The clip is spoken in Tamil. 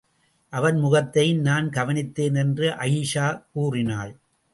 அவன் முகத்தையும் நான் கவனித்தேன் என்று அயீஷா கூறினாள்.